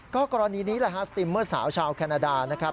ก็กรณีนี้สติมเมอร์สาวชาวแคนาดานะครับ